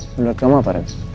menurut kamu apa ren